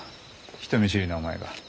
人見知りのお前が。